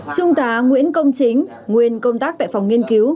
trung tá nguyễn công chính nguyên công tác tại phòng nghiên cứu